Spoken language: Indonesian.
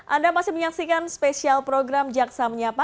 anda masih menyaksikan spesial program jaksa menyapa